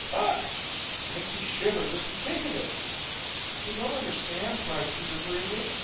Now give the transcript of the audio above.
Ugh! It makes me shiver just to think of it." "You don't understand," cried Peter hurriedly.